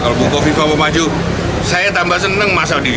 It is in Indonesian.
kalau buko viva mau maju saya tambah senang masa di jagal